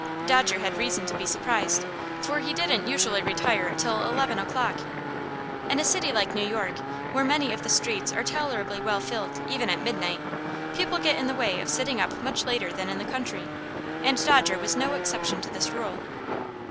Dodger had reason to be surprised, for he didn't usually retire till eleven o'clock. In a city like New York, where many of the streets are tolerably well filled even at midnight, people get in the way of sitting up much later than in the country, and Dodger was no exception to this rule.